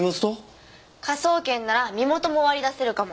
科捜研なら身元も割り出せるかも。